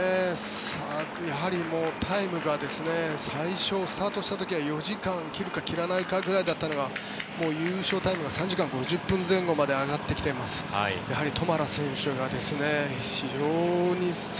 やはりタイムが最初スタートした時は４時間切るか切らないかぐらいだったのが優勝タイムが３時間５０分前後まで上がってきています。